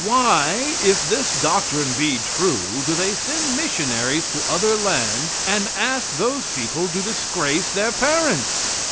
Why, if this doctrine be true why do you send missionaries to other lands and ask those people to disgrace their parents?